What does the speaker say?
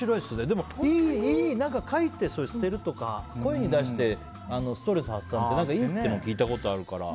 でも書いて捨てるとか声に出してストレス発散っていいって聞いたことあるから。